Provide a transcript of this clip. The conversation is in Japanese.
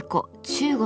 中国